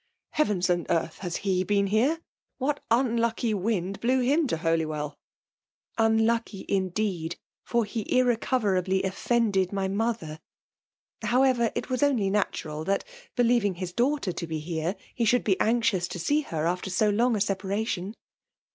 Heavens and earth ! Haft he been here ? What unhicky wind blew him to Holywell?'* '* Unlucky> indeed ; for he has irrecoverably offended my mother. However^ it was only ttatural that, believing his daughter to be here, he should be anxious to see her after so long a aeparation.